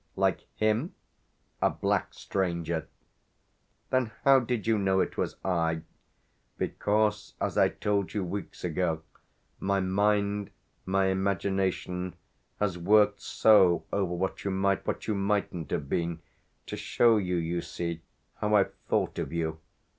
"Like him?" "A black stranger!" "Then how did you know it was I?" "Because, as I told you weeks ago, my mind, my imagination, has worked so over what you might, what you mightn't have been to show you, you see, how I've thought of you.